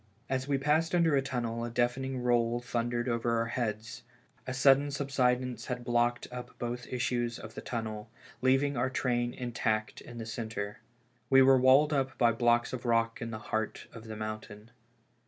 As we passed under a tunnel a deaf ening roll thundered over our heads ; a sudden sub sidence had blocked up both issues of the tunnel, leaving our train intact in the centre. We were walled up by blocks of rock in the heart of the mountain.